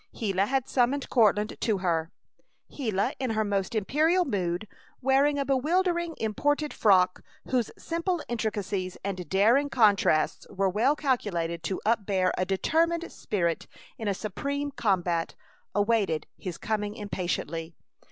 Gila had summoned Courtland to her. Gila, in her most imperial mood, wearing a bewildering imported frock whose simple intricacies and daring contrasts were well calculated to upbear a determined spirit in a supreme combat, awaited his coming impatiently.